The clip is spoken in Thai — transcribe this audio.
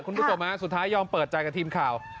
คุณผู้ชมฮะสุดท้ายยอมเปิดใจกับทีมข่าว